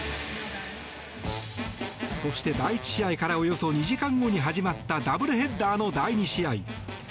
そして、第１試合からおよそ２時間後に始まったダブルヘッダーの第２試合。